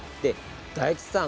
大吉さん